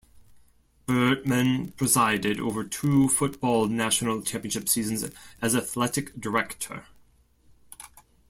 Bertman presided over two football national championship seasons as athletic director.